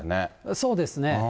そうですね。